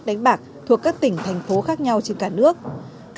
đấy thì có kỹ thuật viên không